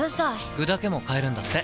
具だけも買えるんだって。